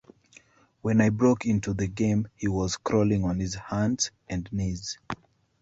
When I broke into the game, he was crawling on his hands and knees.